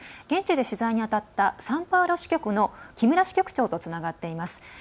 現地で取材に当たったサンパウロ支局の木村支局長とつながっています。